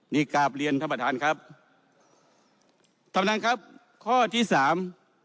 นี่กราบเรียนท่านประธานครับท่านประธานครับข้อที่สาม